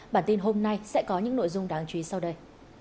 bản tin hôm nay sẽ có những nội dung đáng chú ý sau đây